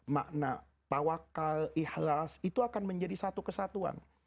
makna tawakal ikhlas itu akan menjadi satu kesatuan